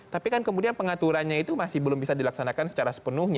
tapi kan kemudian pengaturannya itu masih belum bisa dilaksanakan secara sepenuhnya